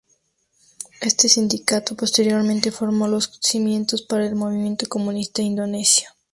Este sindicato posteriormente formó los cimientos para el movimiento comunista indonesio.